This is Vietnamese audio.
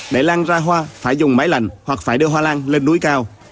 để lan ra hoa phải dùng máy lạnh hoặc phải đưa hoa lan lên núi cao